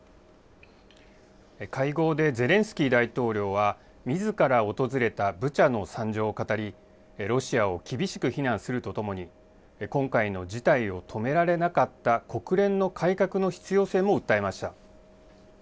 会合でゼレンスキー大統領は、みずから訪れたブチャの惨状を語り、ロシアを厳しく非難するとともに、今回の事態を止められなかった国連の改革の必要性も訴えました。